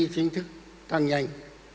chính thức thăng nhanh